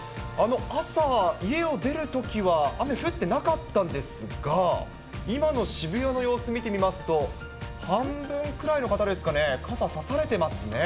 朝、家を出るときは、雨降ってなかったんですが、今の渋谷の様子、見てみますと、半分くらいの方ですかね、傘差されてますね。